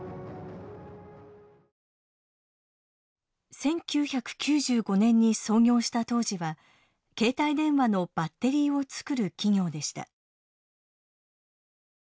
１９９５年に創業した当時は携帯電話のバッテリーを作る企業でした。